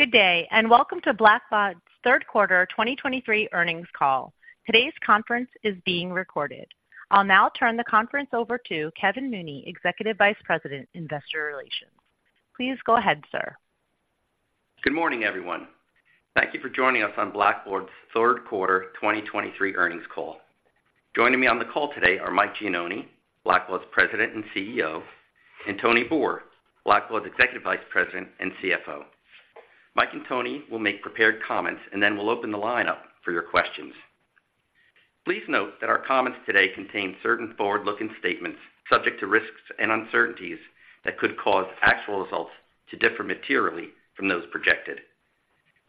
Good day, and welcome to Blackbaud's Q3 2023 earnings call. Today's conference is being recorded. I'll now turn the conference over to Kevin Mooney, Executive Vice President, Investor Relations. Please go ahead, sir. Good morning, everyone. Thank you for joining us on Blackbaud's Q3 2023 earnings call. Joining me on the call today are Mike Gianoni, Blackbaud's President and CEO, and Tony Boor, Blackbaud's Executive Vice President and CFO. Mike and Tony will make prepared comments, and then we'll open the line up for your questions. Please note that our comments today contain certain forward-looking statements, subject to risks and uncertainties that could cause actual results to differ materially from those projected.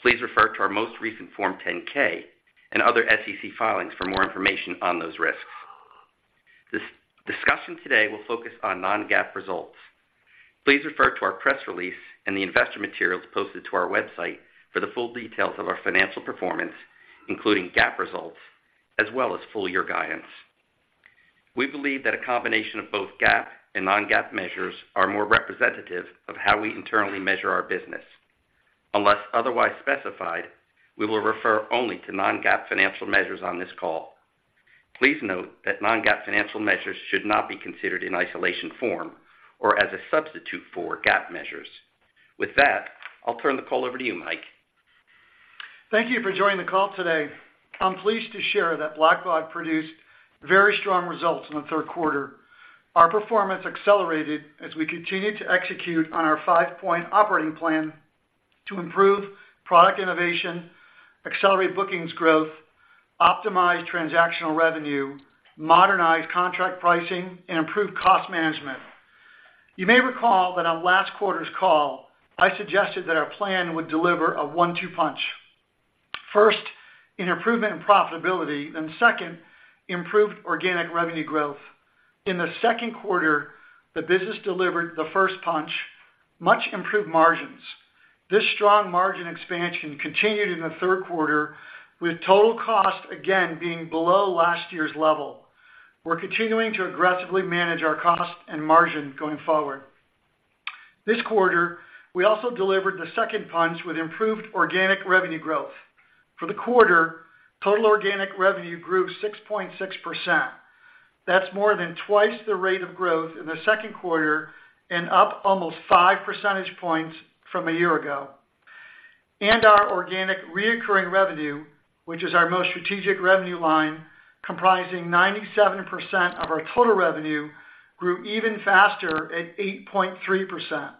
Please refer to our most recent Form 10-K and other SEC filings for more information on those risks. This discussion today will focus on non-GAAP results. Please refer to our press release and the investor materials posted to our website for the full details of our financial performance, including GAAP results, as well as full-year guidance. We believe that a combination of both GAAP and non-GAAP measures are more representative of how we internally measure our business. Unless otherwise specified, we will refer only to non-GAAP financial measures on this call. Please note that non-GAAP financial measures should not be considered in isolation from or as a substitute for GAAP measures. With that, I'll turn the call over to you, Mike. Thank you for joining the call today. I'm pleased to share that Blackbaud produced very strong results in the Q3. Our performance accelerated as we continued to execute on our five-point operating plan to improve product innovation, accelerate bookings growth, optimize transactional revenue, modernize contract pricing, and improve cost management. You may recall that on last quarter's call, I suggested that our plan would deliver a one-two punch. First, an improvement in profitability, then second, improved organic revenue growth. In the Q2, the business delivered the first punch, much improved margins. This strong margin expansion continued in the Q3, with total cost again being below last year's level. We're continuing to aggressively manage our cost and margin going forward. This quarter, we also delivered the second punch with improved organic revenue growth. For the quarter, total organic revenue grew 6.6%. That's more than twice the rate of growth in the Q2 and up almost 5 percentage points from a year ago. Our organic recurring revenue, which is our most strategic revenue line, comprising 97% of our total revenue, grew even faster at 8.3%.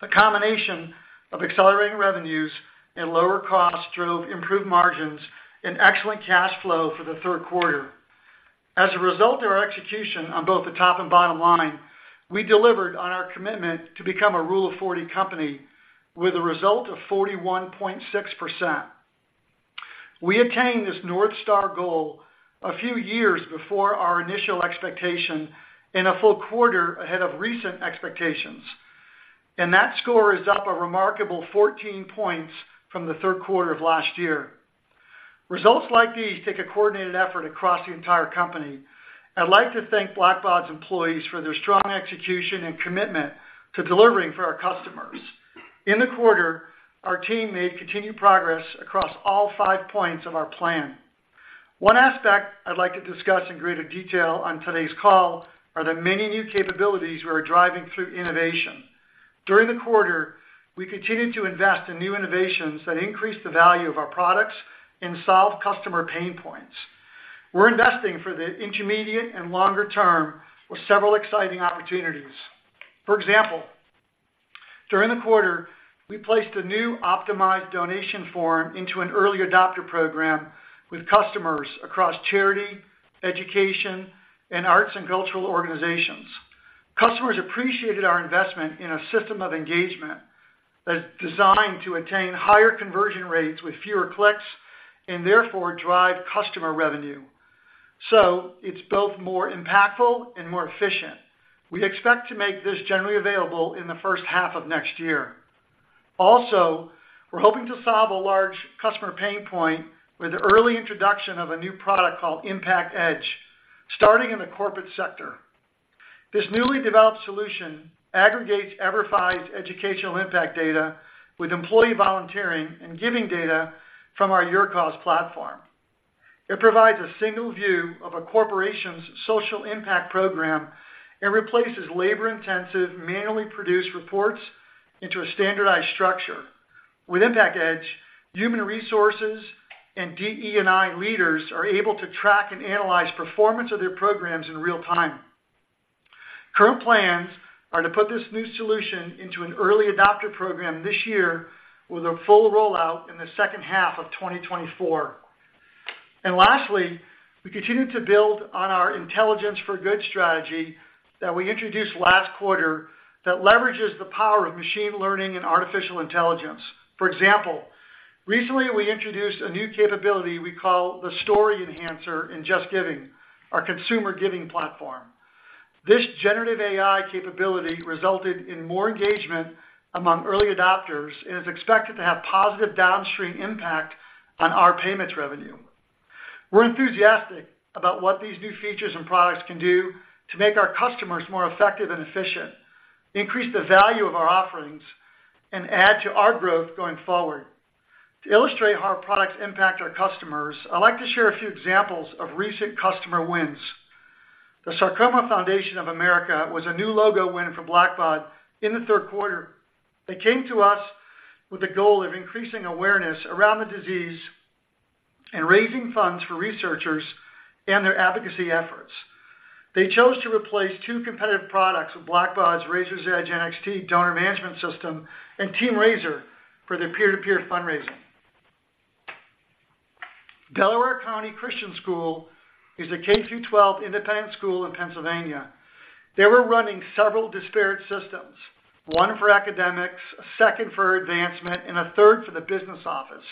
The combination of accelerating revenues and lower costs drove improved margins and excellent cash flow for the Q3. As a result of our execution on both the top and bottom line, we delivered on our commitment to become a Rule of 40 company with a result of 41.6%. We attained this North Star goal a few years before our initial expectation and a full quarter ahead of recent expectations, and that score is up a remarkable 14 points from the Q3 of last year. Results like these take a coordinated effort across the entire company. I'd like to thank Blackbaud's employees for their strong execution and commitment to delivering for our customers. In the quarter, our team made continued progress across all five points of our plan. One aspect I'd like to discuss in greater detail on today's call are the many new capabilities we are driving through innovation. During the quarter, we continued to invest in new innovations that increase the value of our products and solve customer pain points. We're investing for the intermediate and longer term with several exciting opportunities. For example, during the quarter, we placed a new optimized donation form into an early adopter program with customers across charity, education, and arts and cultural organizations. Customers appreciated our investment in a system of engagement that is designed to attain higher conversion rates with fewer clicks and therefore drive customer revenue. So it's both more impactful and more efficient. We expect to make this generally available in the H1 of next year. Also, we're hoping to solve a large customer pain point with the early introduction of a new product called Impact Edge, starting in the corporate sector. This newly developed solution aggregates EVERFI's educational impact data with employee volunteering and giving data from our YourCause platform. It provides a single view of a corporation's social impact program and replaces labor-intensive, manually produced reports into a standardized structure. With Impact Edge, human resources and DE&I leaders are able to track and analyze performance of their programs in real time. Current plans are to put this new solution into an early adopter program this year, with a full rollout in the H2 of 2024. Lastly, we continue to build on our Intelligence for Good strategy that we introduced last quarter that leverages the power of machine learning and artificial intelligence. For example, recently, we introduced a new capability we call the Story Enhancer in JustGiving, our consumer giving platform. This generative AI capability resulted in more engagement among early adopters and is expected to have positive downstream impact on our payments revenue.... We're enthusiastic about what these new features and products can do to make our customers more effective and efficient, increase the value of our offerings, and add to our growth going forward. To illustrate how our products impact our customers, I'd like to share a few examples of recent customer wins. The Sarcoma Foundation of America was a new logo win for Blackbaud in the Q3. They came to us with the goal of increasing awareness around the disease and raising funds for researchers and their advocacy efforts. They chose to replace two competitive products with Blackbaud's Raiser's Edge NXT Donor Management System and TeamRaiser for their peer-to-peer fundraising. Delaware County Christian School is a K-12 independent school in Pennsylvania. They were running several disparate systems, one for academics, a second for advancement, and a third for the business office.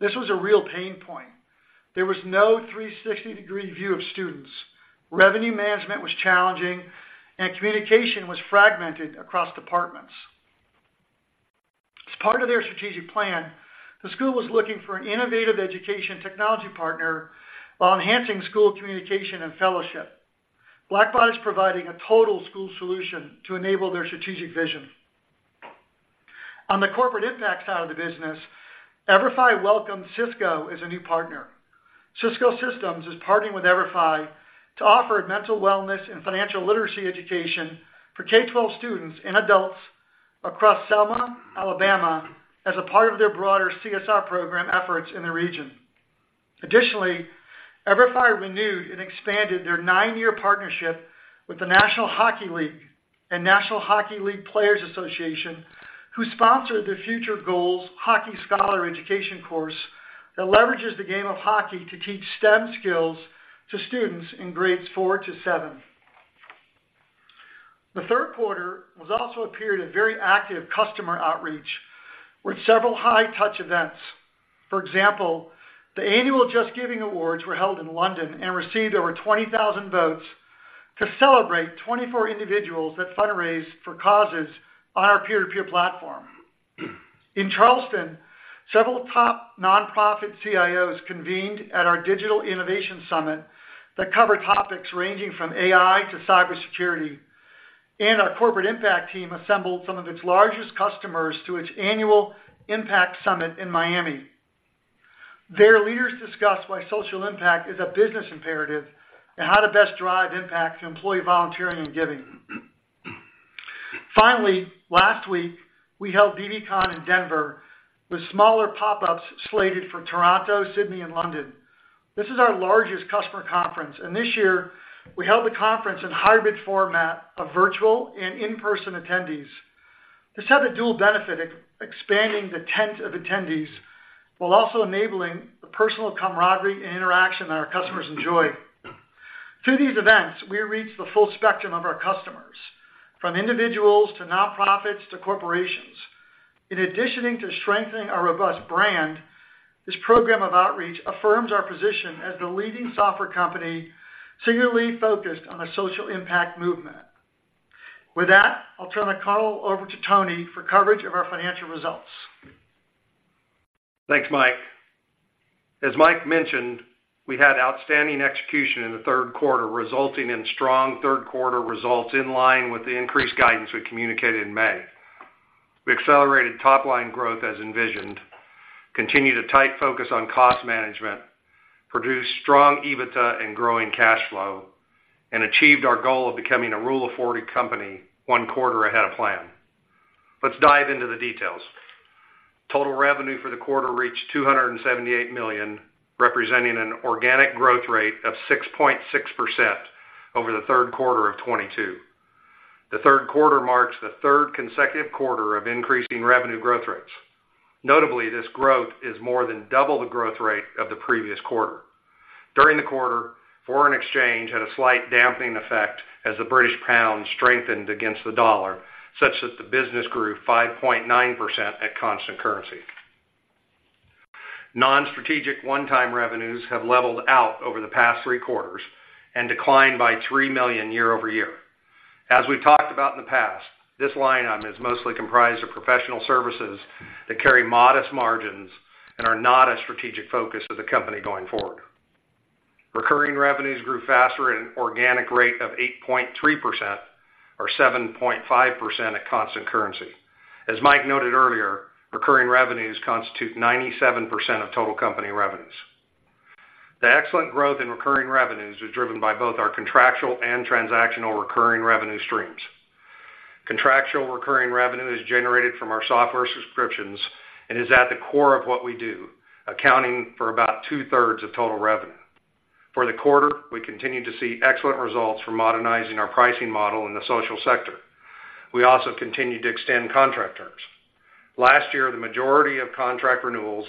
This was a real pain point. There was no 360-degree view of students. Revenue management was challenging, and communication was fragmented across departments. As part of their strategic plan, the school was looking for an innovative education technology partner while enhancing school communication and fellowship. Blackbaud is providing a total school solution to enable their strategic vision. On the corporate impact side of the business, EVERFI welcomed Cisco as a new partner. Cisco Systems is partnering with EVERFI to offer mental wellness and financial literacy education for K-12 students and adults across Selma, Alabama, as a part of their broader CSR program efforts in the region. Additionally, EVERFI renewed and expanded their nine-year partnership with the National Hockey League and National Hockey League Players Association, who sponsored the Future Goals Hockey Scholar education course that leverages the game of hockey to teach STEM skills to students in grades four to seven. The Q3 was also a period of very active customer outreach, with several high-touch events. For example, the annual JustGiving Awards were held in London and received over 20,000 votes to celebrate 24 individuals that fundraised for causes on our peer-to-peer platform. In Charleston, several top nonprofit CIOs convened at our Digital Innovation Summit that covered topics ranging from AI to cybersecurity, and our corporate impact team assembled some of its largest customers to its annual Impact Summit in Miami. Their leaders discussed why social impact is a business imperative and how to best drive impact to employee volunteering and giving. Finally, last week, we held bbcon in Denver, with smaller pop-ups slated for Toronto, Sydney, and London. This is our largest customer conference, and this year we held the conference in hybrid format of virtual and in-person attendees. This had a dual benefit of expanding the tent of attendees while also enabling the personal camaraderie and interaction that our customers enjoy. Through these events, we reach the full spectrum of our customers, from individuals, to nonprofits, to corporations. In addition to strengthening our robust brand, this program of outreach affirms our position as the leading software company singularly focused on the social impact movement. With that, I'll turn the call over to Tony for coverage of our financial results. Thanks, Mike. As Mike mentioned, we had outstanding execution in the Q3, resulting in strong Q3 results in line with the increased guidance we communicated in May. We accelerated top-line growth as envisioned, continued a tight focus on cost management, produced strong EBITDA and growing cash flow, and achieved our goal of becoming a Rule of 40 company one quarter ahead of plan. Let's dive into the details. Total revenue for the quarter reached $278 million, representing an organic growth rate of 6.6% over the Q3 of 2022. The Q3 marks the third consecutive quarter of increasing revenue growth rates. Notably, this growth is more than double the growth rate of the previous quarter. During the quarter, foreign exchange had a slight dampening effect as the British pound strengthened against the dollar, such that the business grew 5.9% at constant currency. Non-strategic one-time revenues have leveled out over the past three quarters and declined by $3 million year-over-year. As we've talked about in the past, this line item is mostly comprised of professional services that carry modest margins and are not a strategic focus of the company going forward. Recurring revenues grew faster at an organic rate of 8.3% or 7.5% at constant currency. As Mike noted earlier, recurring revenues constitute 97% of total company revenues. The excellent growth in recurring revenues was driven by both our contractual and transactional recurring revenue streams. Contractual recurring revenue is generated from our software subscriptions and is at the core of what we do, accounting for about two-thirds of total revenue. For the quarter, we continued to see excellent results from modernizing our pricing model in the social sector. We also continued to extend contract terms. Last year, the majority of contract renewals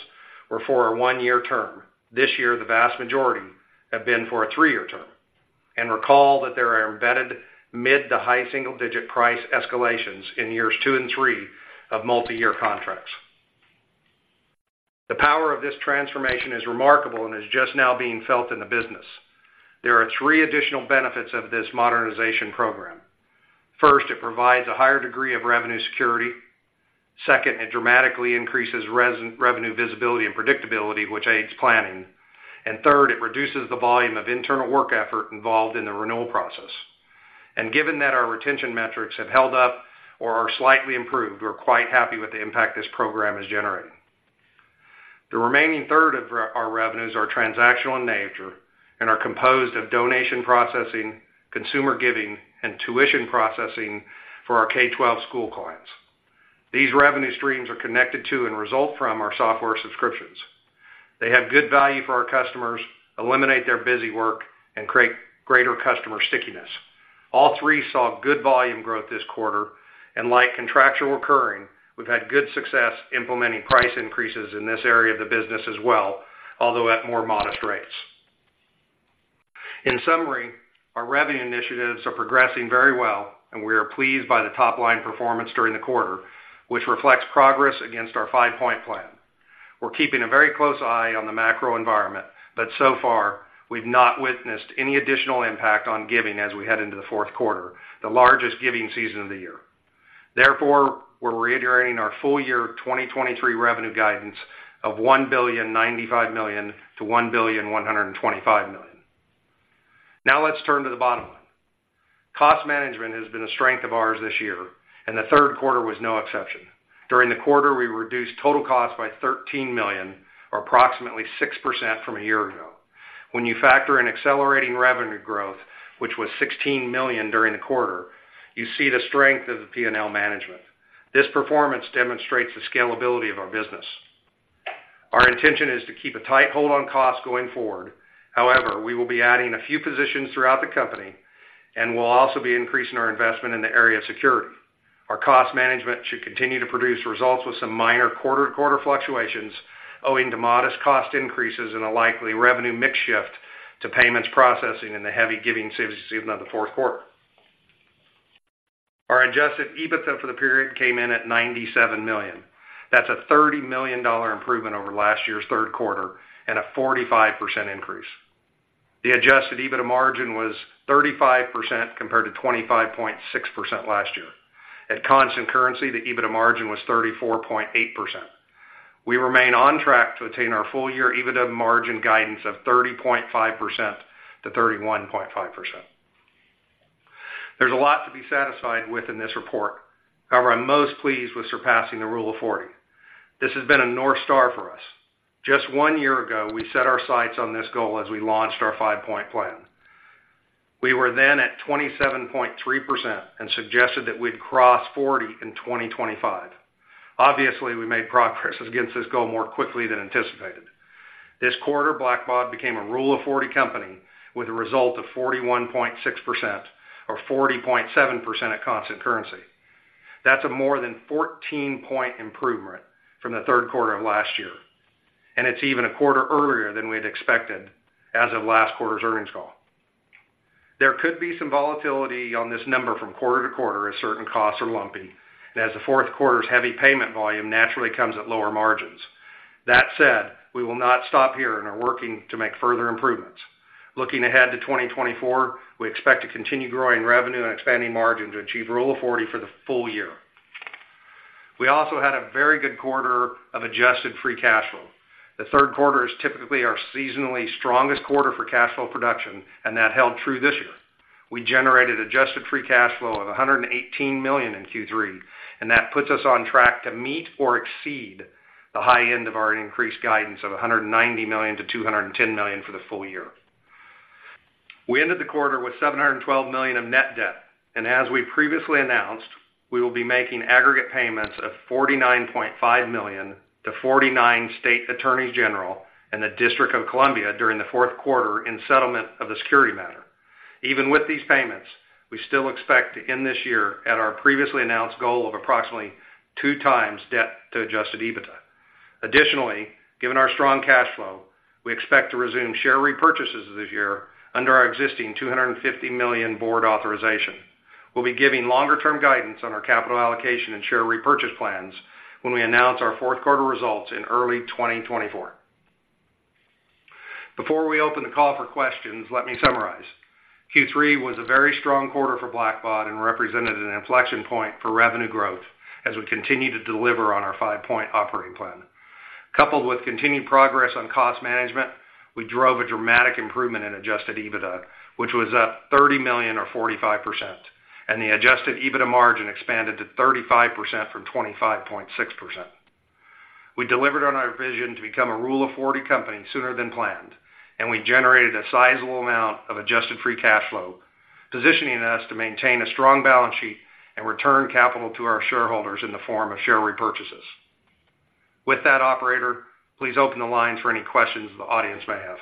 were for a one-year term. This year, the vast majority have been for a three-year term, and recall that there are embedded mid- to high-single-digit price escalations in years two and three of multiyear contracts. The power of this transformation is remarkable and is just now being felt in the business. There are three additional benefits of this modernization program.... First, it provides a higher degree of revenue security. Second, it dramatically increases revenue visibility and predictability, which aids planning. Third, it reduces the volume of internal work effort involved in the renewal process. Given that our retention metrics have held up or are slightly improved, we're quite happy with the impact this program is generating. The remaining third of our revenues are transactional in nature and are composed of donation processing, consumer giving, and tuition processing for our K-12 school clients. These revenue streams are connected to and result from our software subscriptions. They have good value for our customers, eliminate their busy work, and create greater customer stickiness. All three saw good volume growth this quarter, and like contractual recurring, we've had good success implementing price increases in this area of the business as well, although at more modest rates. In summary, our revenue initiatives are progressing very well, and we are pleased by the top-line performance during the quarter, which reflects progress against our five-point plan. We're keeping a very close eye on the macro environment, but so far, we've not witnessed any additional impact on giving as we head into the Q4, the largest giving season of the year. Therefore, we're reiterating our full year 2023 revenue guidance of $1.095 billion-$1.125 billion. Now, let's turn to the bottom line. Cost management has been a strength of ours this year, and the Q3 was no exception. During the quarter, we reduced total costs by $13 million, or approximately 6% from a year ago. When you factor in accelerating revenue growth, which was $16 million during the quarter, you see the strength of the P&L management. This performance demonstrates the scalability of our business. Our intention is to keep a tight hold on costs going forward. However, we will be adding a few positions throughout the company, and we'll also be increasing our investment in the area of security. Our cost management should continue to produce results with some minor quarter-to-quarter fluctuations, owing to modest cost increases and a likely revenue mix shift to payments processing in the heavy giving season of the Q4. Our adjusted EBITDA for the period came in at $97 million. That's a $30 million improvement over last year's Q3 and a 45% increase. The adjusted EBITDA margin was 35%, compared to 25.6% last year. At constant currency, the EBITDA margin was 34.8%. We remain on track to attain our full-year EBITDA margin guidance of 30.5%-31.5%. There's a lot to be satisfied with in this report. However, I'm most pleased with surpassing the Rule of 40. This has been a North Star for us. Just one year ago, we set our sights on this goal as we launched our five-point plan. We were then at 27.3% and suggested that we'd cross 40 in 2025. Obviously, we made progress against this goal more quickly than anticipated. This quarter, Blackbaud became a Rule of 40 company with a result of 41.6% or 40.7% at constant currency That's a more than 14-point improvement from the Q3 of last year, and it's even a quarter earlier than we had expected as of last quarter's earnings call. There could be some volatility on this number from quarter to quarter, as certain costs are lumpy, and as the Q4's heavy payment volume naturally comes at lower margins. That said, we will not stop here and are working to make further improvements. Looking ahead to 2024, we expect to continue growing revenue and expanding margin to achieve Rule of 40 for the full year. We also had a very good quarter of adjusted free cash flow The Q3 is typically our seasonally strongest quarter for cash flow production, and that held true this year. We generated adjusted free cash flow of $118 million in Q3, and that puts us on track to meet or exceed the high end of our increased guidance of $190 million-$210 million for the full year. We ended the quarter with $712 million of net debt, and as we previously announced, we will be making aggregate payments of $49.5 million to 49 state attorneys general and the District of Columbia during the Q4 in settlement of the security matter. Even with these payments, we still expect to end this year at our previously announced goal of approximately 2x debt to adjusted ebitda. additionally, given our strong cash flow, we expect to resume share repurchases this year under our existing $250 million board authorization. we'll be giving longer-term guidance on our capital allocation and share repurchase plans when we announce our Q4 results in early 2024. before we open the call for questions, let me summarize. Q3 was a very strong quarter for Blackbaud and represented an inflection point for revenue growth as we continue to deliver on our 5-point operating plan. Coupled with continued progress on cost management, we drove a dramatic improvement in adjusted EBITDA, which was up $30 million or 45%, and the adjusted EBITDA margin expanded to 35% from 25.6%. We delivered on our vision to become a Rule of 40 company sooner than planned, and we generated a sizable amount of adjusted free cash flow, positioning us to maintain a strong balance sheet and return capital to our shareholders in the form of share repurchases. With that, operator, please open the line for any questions the audience may have.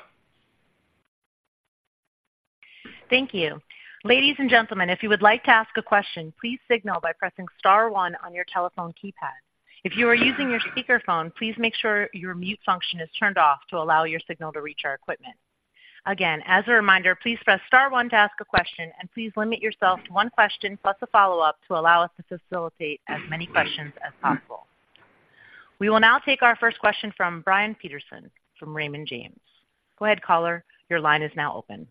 Thank you. Ladies and gentlemen, if you would like to ask a question, please signal by pressing star one on your telephone keypad. If you are using your speakerphone, please make sure your mute function is turned off to allow your signal to reach our equipment. Again, as a reminder, please press star one to ask a question, and please limit yourself to one question plus a follow-up to allow us to facilitate as many questions as possible.... We will now take our first question from Brian Peterson from Raymond James. Go ahead, caller. Your line is now open.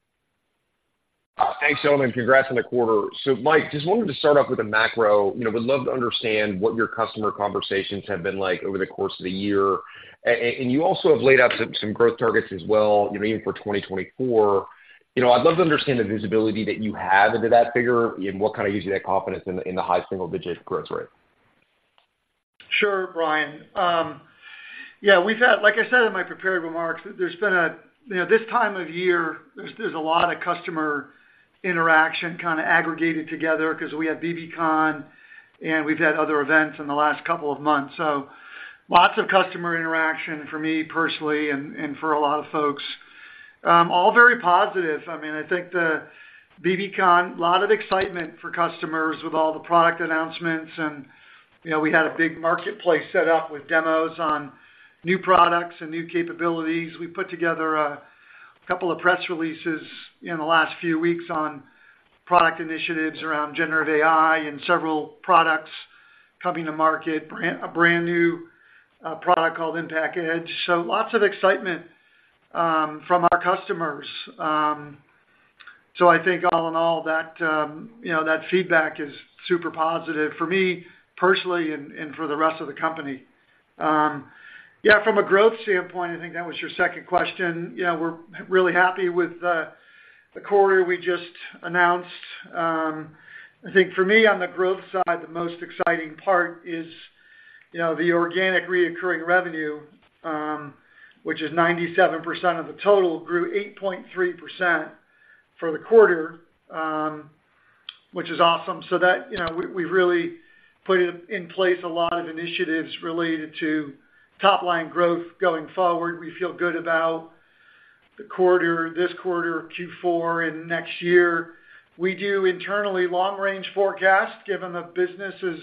Thanks, gentlemen. Congrats on the quarter. So Mike, just wanted to start off with the macro. You know, would love to understand what your customer conversations have been like over the course of the year. And you also have laid out some growth targets as well, you know, even for 2024. You know, I'd love to understand the visibility that you have into that figure, and what kind of gives you that confidence in the high single-digit growth rate? Sure, Brian. Yeah, we've had—like I said in my prepared remarks, there's been a, you know, this time of year, there's a lot of customer interaction kind of aggregated together because we have BBCon, and we've had other events in the last couple of months. So lots of customer interaction for me personally and for a lot of folks. All very positive. I mean, I think the BBCon, a lot of excitement for customers with all the product announcements, and, you know, we had a big marketplace set up with demos on new products and new capabilities. We put together a couple of press releases in the last few weeks on product initiatives around generative AI and several products coming to market, brand new product called Impact Edge. So lots of excitement from our customers. I think all in all, that, you know, that feedback is super positive for me personally and, and for the rest of the company. Yeah, from a growth standpoint, I think that was your second question, you know, we're really happy with the quarter we just announced. I think for me, on the growth side, the most exciting part is, you know, the organic recurring revenue, which is 97% of the total, grew 8.3% for the quarter, which is awesome. So that, you know, we really put in place a lot of initiatives related to top-line growth going forward. We feel good about the quarter, this quarter, Q4, and next year. We do internally long-range forecasts, given the business is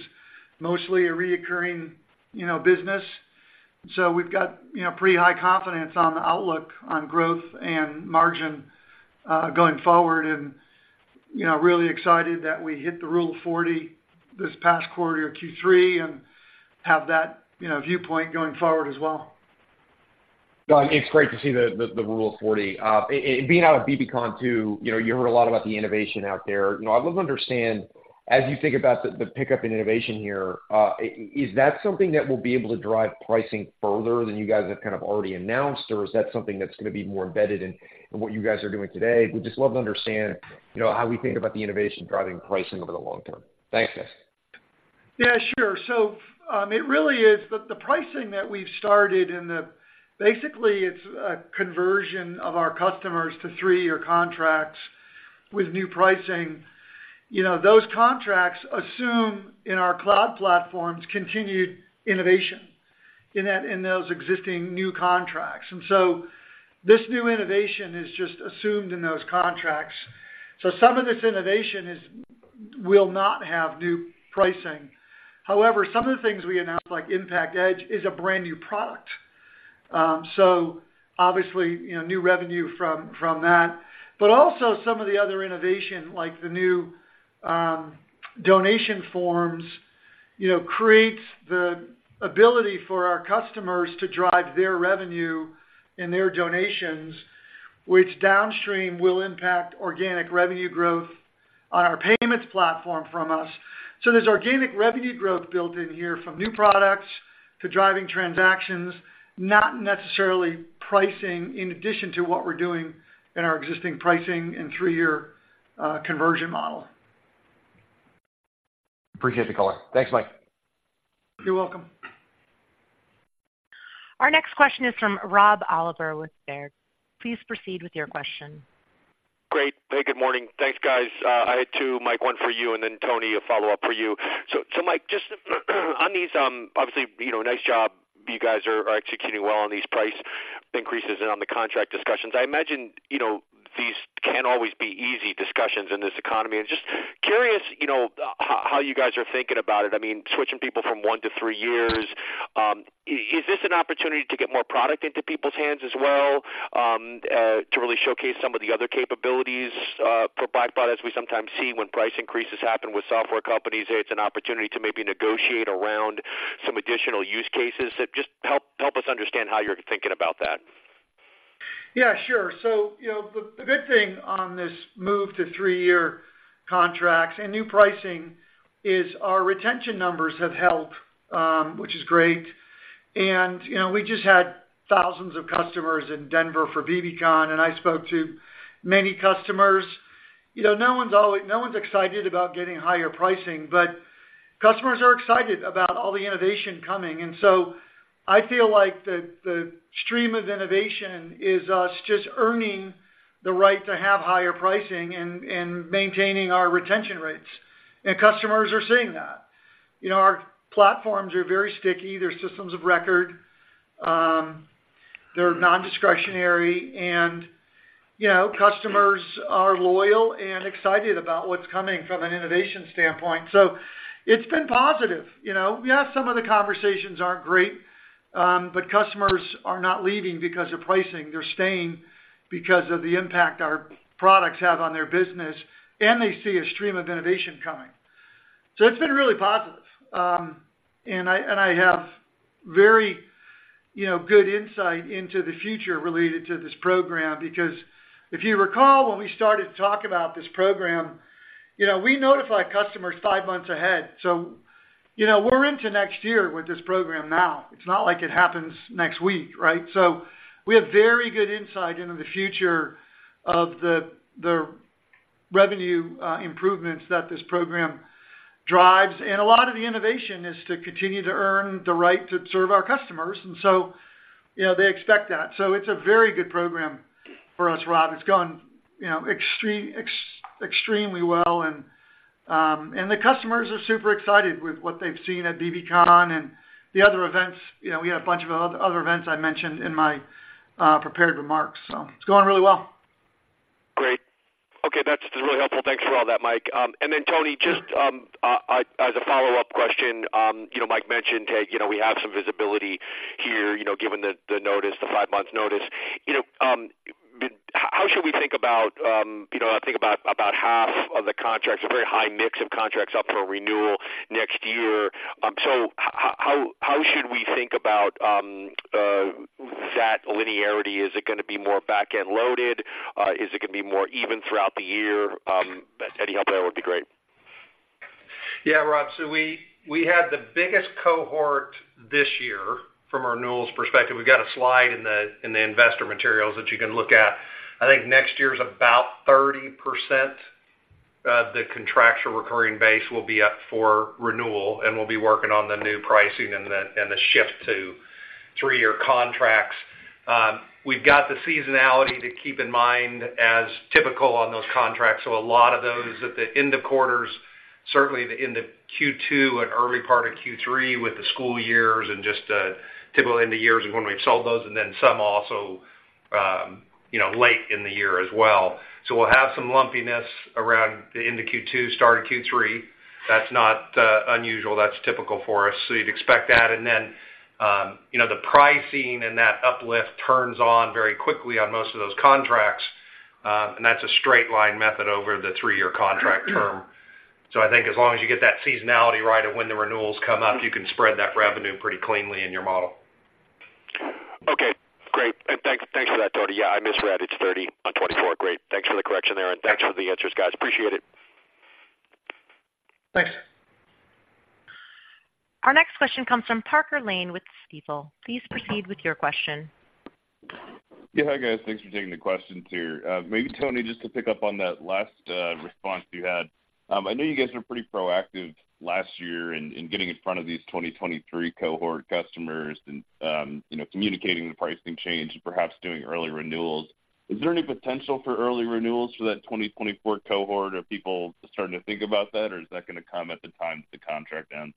mostly a recurring, you know, business. We've got, you know, pretty high confidence on the outlook on growth and margin, going forward and, you know, really excited that we hit the Rule of 40 this past quarter, Q3, and have that, you know, viewpoint going forward as well. Well, it's great to see the Rule of 40. And being out of BBCon, too, you know, you heard a lot about the innovation out there. You know, I'd love to understand, as you think about the pickup in innovation here, is that something that will be able to drive pricing further than you guys have kind of already announced, or is that something that's going to be more embedded in what you guys are doing today? We'd just love to understand, you know, how we think about the innovation driving pricing over the long term. Thanks, guys. Yeah, sure. So, it really is the pricing that we've started, and basically, it's a conversion of our customers to three-year contracts with new pricing. You know, those contracts assume, in our cloud platforms, continued innovation in those existing new contracts. And so this new innovation is just assumed in those contracts. So some of this innovation will not have new pricing. However, some of the things we announced, like Impact Edge is a brand-new product. So obviously, you know, new revenue from that, but also some of the other innovation, like the new donation forms, you know, creates the ability for our customers to drive their revenue and their donations, which downstream will impact organic revenue growth on our payments platform from us. There's organic revenue growth built in here, from new products to driving transactions, not necessarily pricing, in addition to what we're doing in our existing pricing and three-year conversion model. Appreciate the call. Thanks, Mike. You're welcome. Our next question is from Rob Oliver with Baird. Please proceed with your question. Great. Hey, good morning. Thanks, guys. I had two, Mike, one for you, and then Tony, a follow-up for you. So, so Mike, just, on these, obviously, you know, nice job, you guys are, are executing well on these price increases and on the contract discussions. I imagine, you know, these can't always be easy discussions in this economy. And just curious, you know, how you guys are thinking about it. I mean, switching people from one to three years, is this an opportunity to get more product into people's hands as well, to really showcase some of the other capabilities, provided, but as we sometimes see when price increases happen with software companies, it's an opportunity to maybe negotiate around some additional use cases? So just help, help us understand how you're thinking about that. Yeah, sure. So, you know, the good thing on this move to three-year contracts and new pricing is our retention numbers have held, which is great. And, you know, we just had thousands of customers in Denver for BBCon, and I spoke to many customers. You know, no one's excited about getting higher pricing, but customers are excited about all the innovation coming. And so I feel like the stream of innovation is us just earning the right to have higher pricing and maintaining our retention rates, and customers are seeing that. You know, our platforms are very sticky. They're systems of record, they're nondiscretionary, and you know, customers are loyal and excited about what's coming from an innovation standpoint. So it's been positive. You know? Yeah, some of the conversations aren't great, but customers are not leaving because of pricing. They're staying because of the impact our products have on their business, and they see a stream of innovation coming. So it's been really positive. And I have very, you know, good insight into the future related to this program, because if you recall, when we started to talk about this program, you know, we notify customers five months ahead. So, you know, we're into next year with this program now. It's not like it happens next week, right? So we have very good insight into the future of the revenue improvements that this program drives. And a lot of the innovation is to continue to earn the right to serve our customers, and so, you know, they expect that. So it's a very good program for us, Rob. It's gone, you know, extremely well, and the customers are super excited with what they've seen at BBCon and the other events. You know, we had a bunch of other events I mentioned in my prepared remarks, so it's going really well. Great. Okay, that's really helpful. Thanks for all that, Mike. And then, Tony, just as a follow-up question, you know, Mike mentioned that, you know, we have some visibility here, you know, given the notice, the five-month notice. You know, how should we think about, you know, I think about half of the contracts, a very high mix of contracts up for renewal next year. So how should we think about that linearity? Is it gonna be more back-end loaded? Is it gonna be more even throughout the year? Any help there would be great. Yeah, Rob, so we had the biggest cohort this year from our renewals perspective. We've got a slide in the investor materials that you can look at. I think next year is about 30% of the contractual recurring base will be up for renewal, and we'll be working on the new pricing and the shift to three-year contracts. We've got the seasonality to keep in mind as typical on those contracts. So a lot of those at the end of quarters, certainly in the Q2 and early part of Q3, with the school years and just typically in the years of when we've sold those, and then some also you know late in the year as well. So we'll have some lumpiness around the end of Q2, start of Q3. That's not unusual. That's typical for us. So you'd expect that, and then, you know, the pricing and that uplift turns on very quickly on most of those contracts, and that's a straight line method over the three-year contract term. So I think as long as you get that seasonality right of when the renewals come up, you can spread that revenue pretty cleanly in your model. Okay, great. And thanks, thanks for that, Tony. Yeah, I misread. It's 30 on 24. Great, thanks for the correction there, and thanks for the answers, guys. Appreciate it. Thanks. Our next question comes from Parker Lane with Stifel. Please proceed with your question. Yeah. Hi, guys. Thanks for taking the questions here. Maybe, Tony, just to pick up on that last response you had. I know you guys were pretty proactive last year in getting in front of these 2023 cohort customers and, you know, communicating the pricing change and perhaps doing early renewals. Is there any potential for early renewals for that 2024 cohort? Are people starting to think about that, or is that gonna come at the time the contract ends?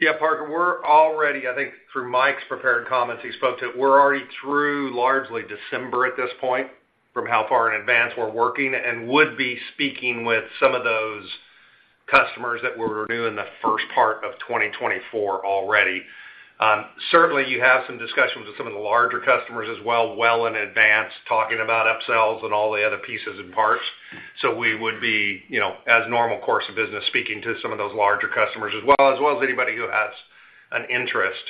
Yeah, Parker, we're already. I think through Mike's prepared comments, he spoke to, we're already through largely December at this point, from how far in advance we're working, and would be speaking with some of those customers that we're renewing the first part of 2024 already. Certainly, you have some discussions with some of the larger customers as well, well in advance, talking about upsells and all the other pieces and parts. So we would be, you know, as normal course of business, speaking to some of those larger customers, as well, as well as anybody who has an interest.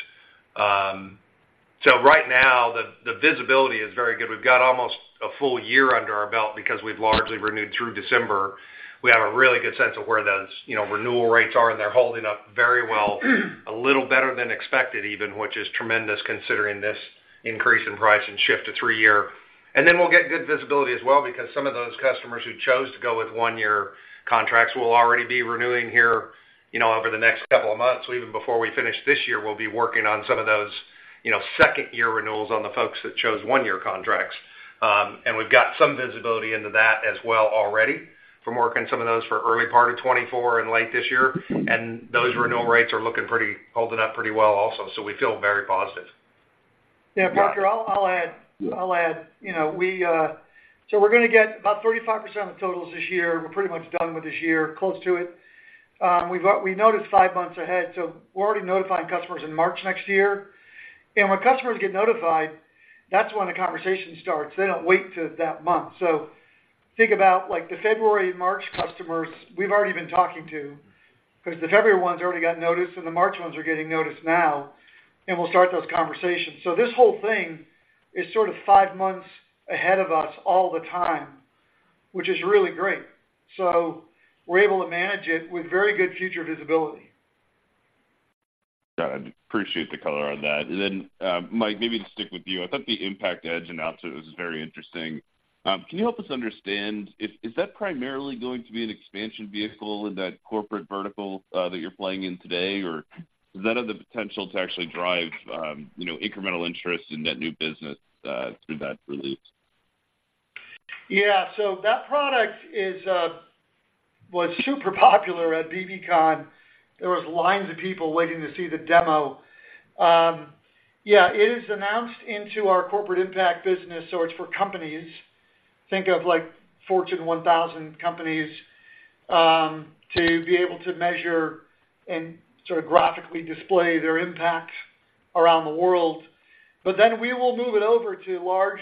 So right now, the visibility is very good. We've got almost a full year under our belt because we've largely renewed through December. We have a really good sense of where those, you know, renewal rates are, and they're holding up very well, a little better than expected even, which is tremendous, considering this increase in price and shift to three-year. And then we'll get good visibility as well, because some of those customers who chose to go with one-year contracts will already be renewing here, you know, over the next couple of months. So even before we finish this year, we'll be working on some of those, you know, second-year renewals on the folks that chose one-year contracts. And we've got some visibility into that as well already from working some of those for early part of 2024 and late this year. And those renewal rates are holding up pretty well also, so we feel very positive. Yeah, Parker, I'll add. You know, so we're gonna get about 35% of the totals this year. We're pretty much done with this year, close to it. We've noticed five months ahead, so we're already notifying customers in March next year. And when customers get notified, that's when the conversation starts. They don't wait till that month. So think about, like, the February, March customers, we've already been talking to, because the February ones already got notified, and the March ones are getting notified now, and we'll start those conversations. So this whole thing is sort of five months ahead of us all the time, which is really great. So we're able to manage it with very good future visibility. Got it. Appreciate the color on that. And then, Mike, maybe to stick with you. I thought the Impact Edge announcement was very interesting. Can you help us understand, is that primarily going to be an expansion vehicle in that corporate vertical that you're playing in today, or does that have the potential to actually drive, you know, incremental interest in net new business through that release? Yeah. So that product is, was super popular at BBCon. There was lines of people waiting to see the demo. Yeah, it is announced into our corporate impact business, so it's for companies. Think of like Fortune 1000 companies, to be able to measure and sort of graphically display their impact around the world. But then we will move it over to large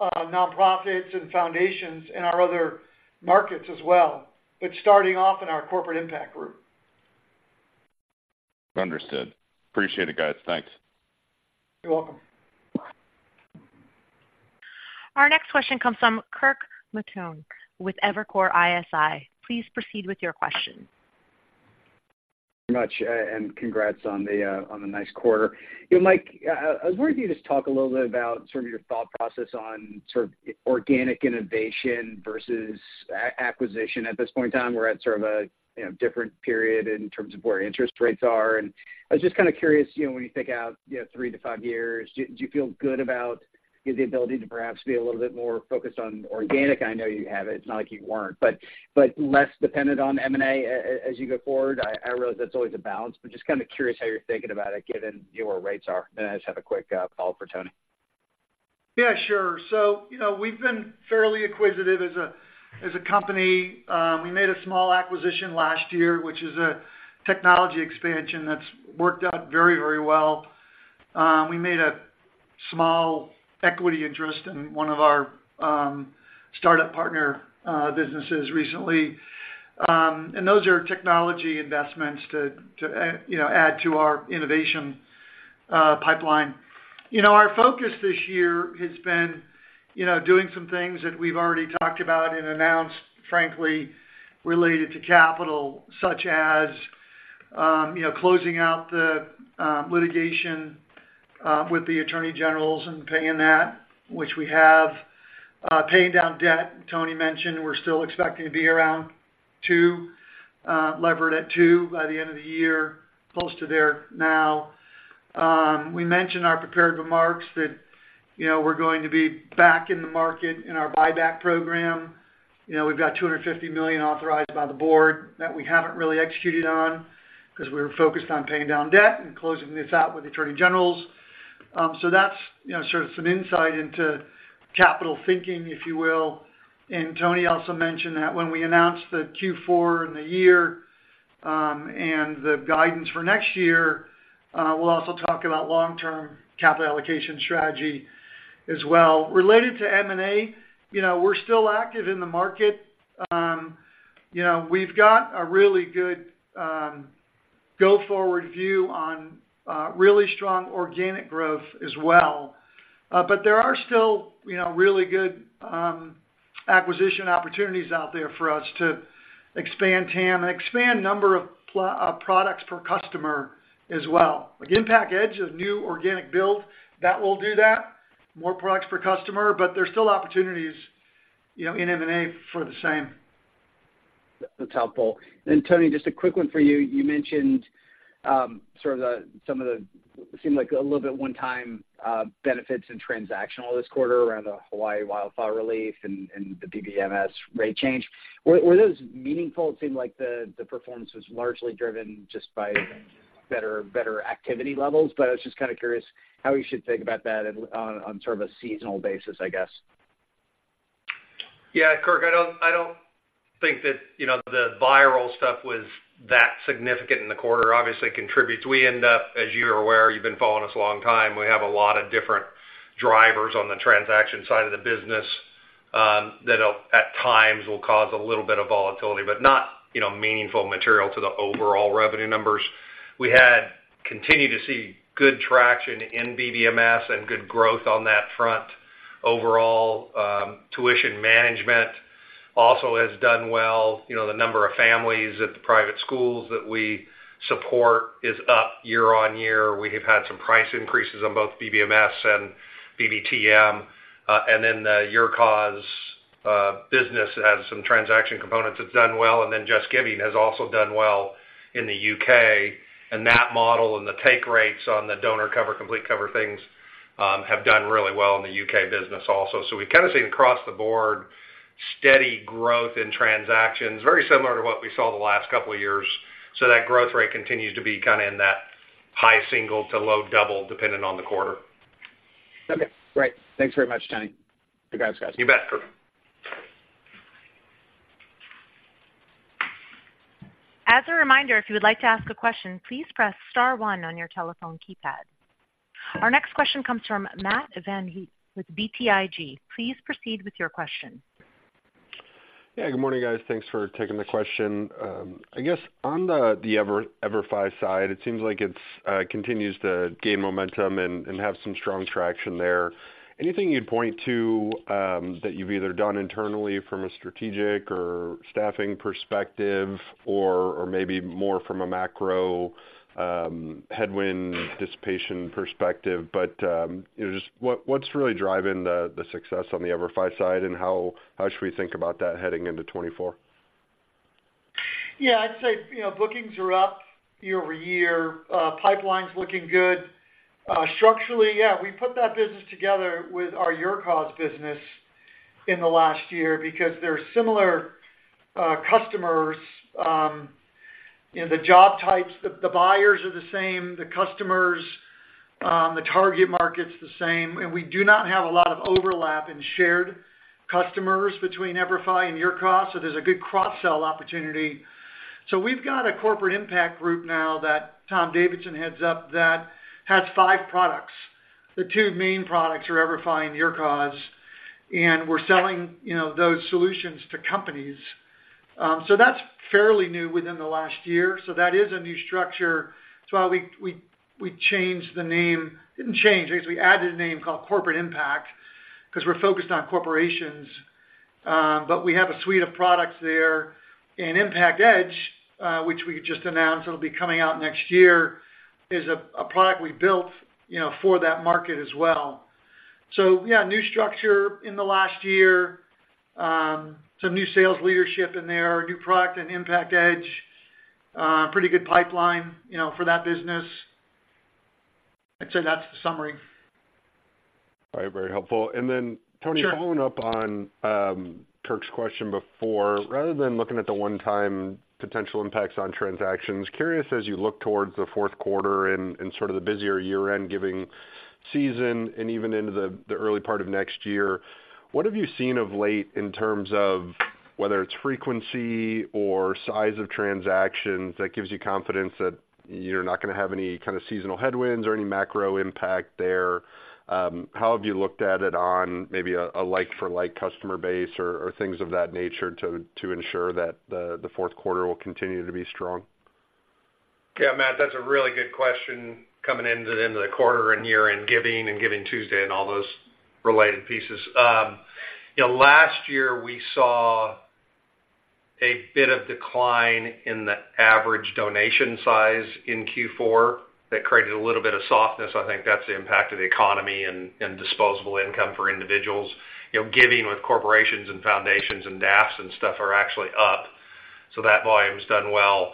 nonprofits and foundations in our other markets as well, but starting off in our corporate impact group. Understood. Appreciate it, guys. Thanks. You're welcome. Our next question comes from Kirk Materne with Evercore ISI. Please proceed with your question. Much, and congrats on the nice quarter. Mike, I was wondering if you could just talk a little bit about sort of your thought process on sort of organic innovation versus acquisition at this point in time. We're at sort of a, you know, different period in terms of where interest rates are, and I was just kind of curious, you know, when you think out, you know, three to five years, do you feel good about, you know, the ability to perhaps be a little bit more focused on organic? I know you have it. It's not like you weren't, but less dependent on M&A as you go forward. I realize that's always a balance, but just kind of curious how you're thinking about it, given where rates are. I just have a quick follow-up for Tony. Yeah, sure. So, you know, we've been fairly acquisitive as a company. We made a small acquisition last year, which is a technology expansion that's worked out very, very well. We made a small equity interest in one of our startup partner businesses recently. And those are technology investments to you know, add to our innovation pipeline. You know, our focus this year has been, you know, doing some things that we've already talked about and announced, frankly, related to capital, such as you know, closing out the litigation with the attorney generals and paying that, which we have. Paying down debt. Tony mentioned, we're still expecting to be around two, levered at two by the end of the year, close to there now. We mentioned our prepared remarks that, you know, we're going to be back in the market in our buyback program. You know, we've got $250 million authorized by the board that we haven't really executed on because we're focused on paying down debt and closing this out with the attorneys general. So that's, you know, sort of some insight into capital thinking, if you will. And Tony also mentioned that when we announce the Q4 and the year, and the guidance for next year, we'll also talk about long-term capital allocation strategy as well. Related to M&A, you know, we're still active in the market. You know, we've got a really good go-forward view on really strong organic growth as well. But there are still, you know, really good acquisition opportunities out there for us to expand TAM and expand number of products per customer as well. Again, Impact Edge, a new organic build, that will do that, more products per customer, but there's still opportunities, you know, in M&A for the same. That's helpful. Tony, just a quick one for you. You mentioned sort of the—some of the, seemed like a little bit one-time benefits and transactional this quarter around the Hawaii wildfire relief and the BBMS rate change. Were those meaningful? It seemed like the performance was largely driven just by better activity levels, but I was just kind of curious how we should think about that on sort of a seasonal basis, I guess. Yeah, Kirk, I don't, I don't think that, you know, the viral stuff was that significant in the quarter. Obviously, it contributes. We end up, as you're aware, you've been following us a long time, we have a lot of different drivers on the transaction side of the business that at times will cause a little bit of volatility, but not, you know, meaningful material to the overall revenue numbers. We had continued to see good traction in BBMS and good growth on that front. Overall, Tuition Management also has done well. You know, the number of families at the private schools that we support is up year on year. We have had some price increases on both BBMS and BBTM, and then the YourCause business has some transaction components that's done well, and then JustGiving has also done well in the UK. That model and the take rates on the Donor Cover, Complete Cover things, have done really well in the U.K. business also. We've kind of seen across the board, steady growth in transactions, very similar to what we saw the last couple of years. That growth rate continues to be kind of in that high single to low double, depending on the quarter. Okay, great. Thanks very much, Tony. You guys rock. You bet, Kirk. As a reminder, if you would like to ask a question, please press star one on your telephone keypad. Our next question comes from Matt VanVliet with BTIG. Please proceed with your question. Yeah, good morning, guys. Thanks for taking the question. I guess on the, the EVERFI side, it seems like it's continues to gain momentum and, and have some strong traction there. Anything you'd point to, that you've either done internally from a strategic or staffing perspective or, or maybe more from a macro, headwind dissipation perspective, but, just what, what's really driving the, the success on the EVERFI side, and how, how should we think about that heading into 2024? Yeah, I'd say, you know, bookings are up year over year, pipeline's looking good. Structurally, yeah, we put that business together with our YourCause business in the last year because they're similar customers, you know, the job types, the buyers are the same, the customers, the target market's the same, and we do not have a lot of overlap in shared customers between EVERFI and YourCause, so there's a good cross-sell opportunity. So we've got a corporate impact group now that Tom Davidson heads up that has five products. The two main products are EVERFI and YourCause, and we're selling, you know, those solutions to companies. So that's fairly new within the last year, so that is a new structure. That's why we changed the name. Didn't change, I guess we added a name called Corporate Impact, 'cause we're focused on corporations, but we have a suite of products there. And Impact Edge, which we just announced, it'll be coming out next year, is a product we built, you know, for that market as well. So yeah, new structure in the last year. Some new sales leadership in there, new product in Impact Edge, pretty good pipeline, you know, for that business. I'd say that's the summary. All right, very helpful. And then, Tony- Sure. Following up on Kirk's question before, rather than looking at the one-time potential impacts on transactions, curious as you look towards the Q4 and sort of the busier year-end giving season and even into the early part of next year, what have you seen of late in terms of whether it's frequency or size of transactions that gives you confidence that you're not gonna have any kind of seasonal headwinds or any macro impact there? How have you looked at it on maybe a like-for-like customer base or things of that nature to ensure that the Q4 will continue to be strong? Yeah, Matt, that's a really good question coming into the end of the quarter and year-end giving and Giving Tuesday and all those related pieces. You know, last year, we saw a bit of decline in the average donation size in Q4 that created a little bit of softness. I think that's the impact of the economy and, and disposable income for individuals. You know, giving with corporations and foundations and DAFs and stuff are actually up, so that volume's done well.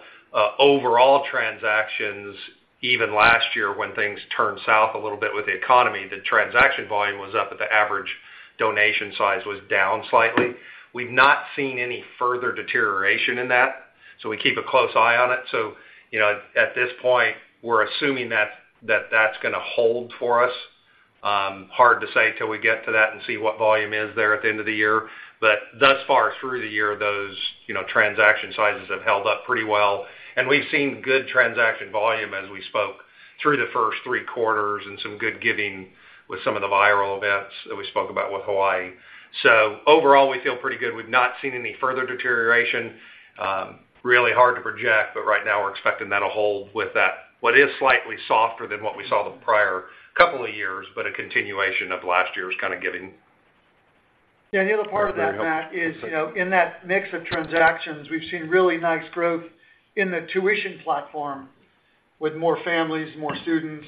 Overall transactions, even last year when things turned south a little bit with the economy, the transaction volume was up, but the average donation size was down slightly. We've not seen any further deterioration in that, so we keep a close eye on it. So, you know, at, at this point, we're assuming that, that that's gonna hold for us. Hard to say till we get to that and see what volume is there at the end of the year. But thus far through the year, those, you know, transaction sizes have held up pretty well. And we've seen good transaction volume as we spoke through the first three quarters, and some good giving with some of the viral events that we spoke about with Hawaii. So overall, we feel pretty good. We've not seen any further deterioration. Really hard to project, but right now we're expecting that'll hold with that. What is slightly softer than what we saw the prior couple of years, but a continuation of last year's kind of giving. Yeah, the other part of that, Matt, is, you know, in that mix of transactions, we've seen really nice growth in the tuition platform, with more families, more students,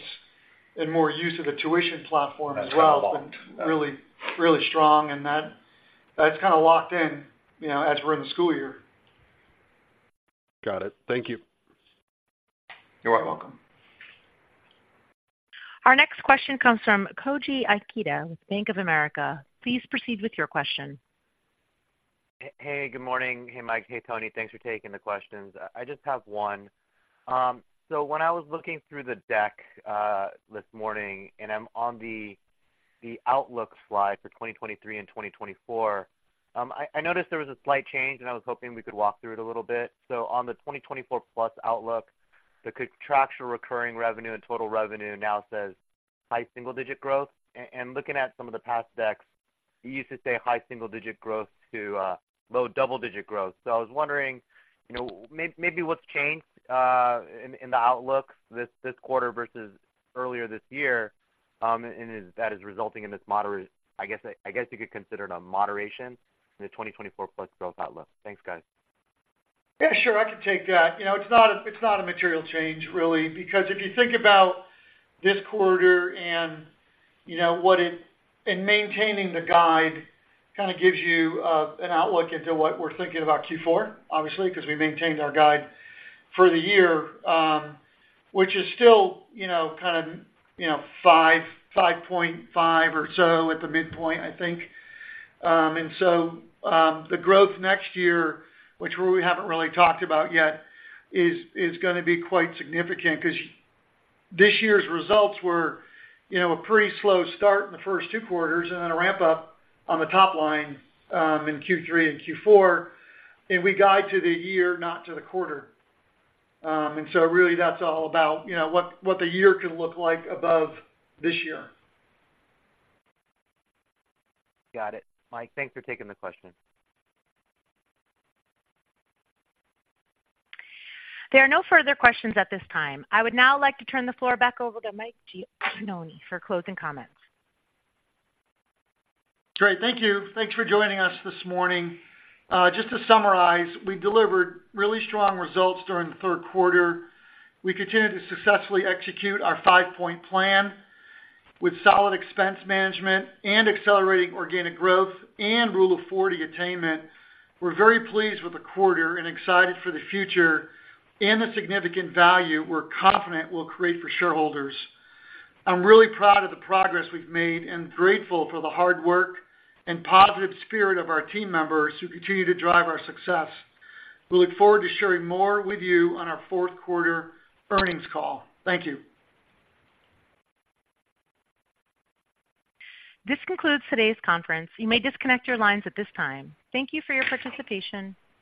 and more use of the tuition platform as well. That's held well. Really, really strong, and that, that's kind of locked in, you know, as we're in the school year. Got it. Thank you. You're welcome. Our next question comes from Koji Ikeda with Bank of America. Please proceed with your question. Hey, good morning. Hey, Mike. Hey, Tony. Thanks for taking the questions. I just have one. So when I was looking through the deck this morning, and I'm on the outlook slide for 2023 and 2024, I noticed there was a slight change, and I was hoping we could walk through it a little bit. So on the 2024 plus outlook, the contractual recurring revenue and total revenue now says high single digit growth. And looking at some of the past decks, you used to say high single digit growth to low double digit growth. So I was wondering, you know, maybe what's changed in the outlook this quarter versus earlier this year, and that is resulting in this moderate... I guess you could consider it a moderation in the 2024 plus growth outlook. Thanks, guys. Yeah, sure. I can take that. You know, it's not a, it's not a material change, really, because if you think about this quarter and, you know, what it and maintaining the guide, kind of gives you an outlook into what we're thinking about Q4, obviously, 'cause we've maintained our guide for the year. Which is still, you know, kind of, you know, 5.5 or so at the midpoint, I think. And so, the growth next year, which we haven't really talked about yet, is gonna be quite significant, 'cause this year's results were, you know, a pretty slow start in the first two quarters, and then a ramp-up on the top line in Q3 and Q4, and we guide to the year, not to the quarter. And so really, that's all about, you know, what, what the year could look like above this year. Got it. Mike, thanks for taking the question. There are no further questions at this time. I would now like to turn the floor back over to Mike Gianoni for closing comments. Great. Thank you. Thanks for joining us this morning. Just to summarize, we delivered really strong results during the Q3. We continued to successfully execute our five-point plan with solid expense management and accelerating organic growth and Rule of 40 attainment. We're very pleased with the quarter and excited for the future and the significant value we're confident will create for shareholders. I'm really proud of the progress we've made and grateful for the hard work and positive spirit of our team members, who continue to drive our success. We look forward to sharing more with you on our Q4 earnings call. Thank you. This concludes today's conference. You may disconnect your lines at this time. Thank you for your participation.